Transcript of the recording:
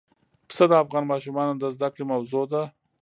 پسه د افغان ماشومانو د زده کړې موضوع ده.